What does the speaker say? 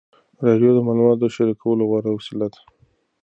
راډیو د معلوماتو د شریکولو غوره وسیله ده.